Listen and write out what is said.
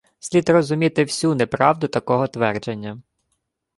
Слід розуміти всю неправду такого твердження